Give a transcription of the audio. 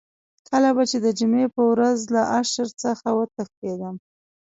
کله به چې د جمعې په ورځ له اشر څخه وتښتېدم.